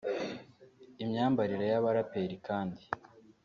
Imyambarire y’abaraperi kandi